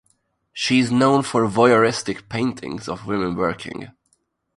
She is known for voyeuristic paintings of women working.